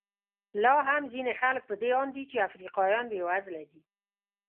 لا هم ځینې خلک په دې اند دي چې افریقایان بېوزله دي.